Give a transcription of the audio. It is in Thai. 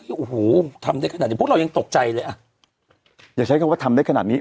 โอ้โหทำได้ขนาดนี้พวกเรายังตกใจเลยอ่ะอย่าใช้คำว่าทำได้ขนาดนี้